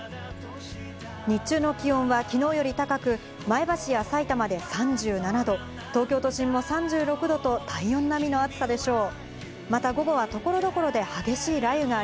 日中の気温はきのうより高く、前橋やさいたまで３７度、東京都心も３６℃と体温並みの暑さでしょう。